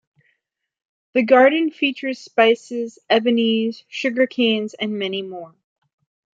The garden features spices, ebonies, sugar canes and many more.